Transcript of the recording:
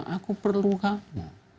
aku perlu kamu